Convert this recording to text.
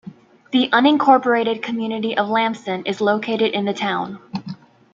The unincorporated community of Lampson is located in the town.